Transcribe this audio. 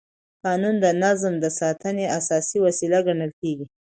قانون د نظم د ساتنې اساسي وسیله ګڼل کېږي.